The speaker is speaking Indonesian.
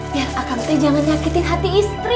biar akan teh jangan nyakitin hati istri